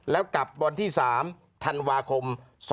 แล้วกลับวันที่๓ธันวาคม๒๕๖